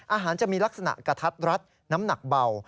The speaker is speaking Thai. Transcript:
อาหารจะมีลักษณะกระทัดรัดน้ำหนักเบา